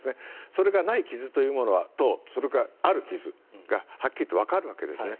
それがない傷というものとそれがある傷がはっきりわかるわけですね。